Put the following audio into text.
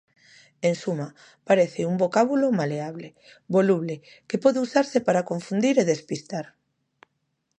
En suma, parece un vocábulo maleable, voluble, que pode usarse para confundir e despistar.